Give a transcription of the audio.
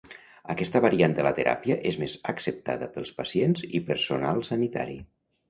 Aquesta variant de la teràpia és més acceptada pels pacients i personal sanitari.